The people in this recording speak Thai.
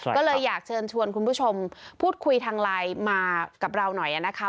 ก็เลยอยากเชิญชวนคุณผู้ชมพูดคุยทางไลน์มากับเราหน่อยนะคะ